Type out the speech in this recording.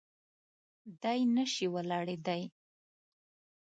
دی نه شي ولاړېدای.